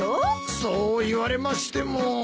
そう言われましても。